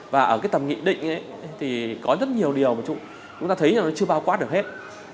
và ở cái tầm nghị định ấy thì có rất nhiều điều mà chúng ta thấy là nó chưa bao quát được hết